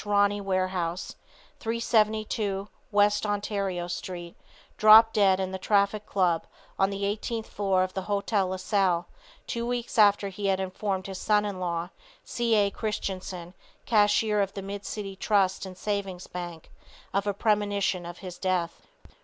Ronne Warehouse, 372 West Ontario street, dropped dead in the Traffic Club on the eighteenth floor of the Hotel La Salle two weeks after he had informed his son in law, C.A. Christensen, cashier of the Mid City Trust and Savings Bank, of a premonition of death.